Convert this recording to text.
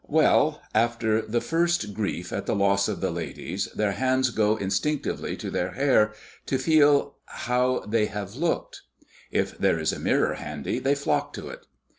"Well, after the first grief at the loss of the ladies, their hands go instinctively to their hair, to feel how they have looked. If there is a mirror handy they flock to it.